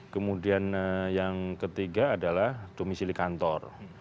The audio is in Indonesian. kemudian yang ketiga adalah domisili kantor